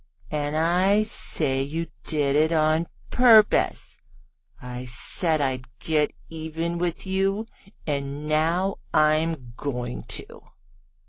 "And I say you did it on purpose. I said I'd get even with you, and now I'm going to."